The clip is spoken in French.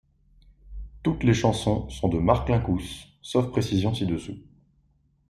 Toutes les chansons sont de Mark Linkous sauf précision ci-dessous.